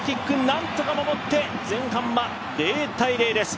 なんとか守って前半は０−０です。